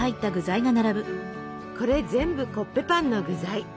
これ全部コッペパンの具材。